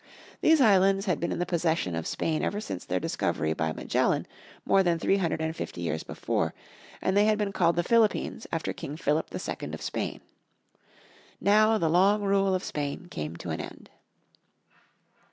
These islands had been in the possession of Spain ever since their discovery by Magellan more than three hundred and fifty years before, and they had been called the Philippines after King Philip II of Spain. Now the long rule of Spain came to an end.